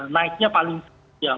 naiknya paling besar